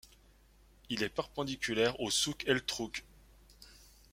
Il est perpendiculaire au souk El Trouk.